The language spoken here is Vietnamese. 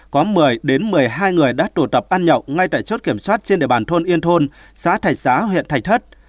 có một mươi một mươi hai người đã tụ tập ăn nhậu ngay tại chốt kiểm soát trên địa bàn thôn yên thôn xã thạch xá huyện thạch thất